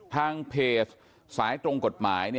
ทางเพจสายตรงกฎหมาย